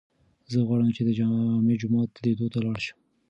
زه غواړم چې د جامع جومات لیدو ته لاړ شم.